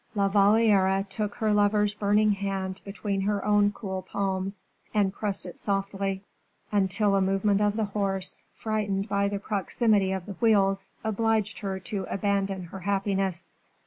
La Valliere took her lover's burning hand between her own cool palms, and pressed it softly, until a movement of the horse, frightened by the proximity of the wheels, obliged her to abandon her happiness.